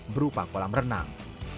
berupa kolam renang